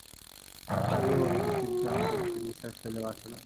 তার এই অনুপস্থিতিতে আমি স্বস্তির নিশ্বাস ফেলে বাঁচলাম।